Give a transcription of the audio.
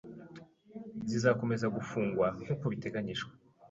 zizakomeza gufungwa nkuko biteganyijwe